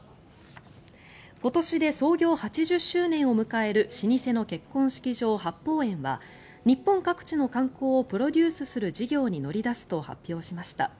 今年で創業８０周年を迎える老舗の結婚式場、八芳園は日本各地の観光をプロデュースする事業に乗り出すと発表しました。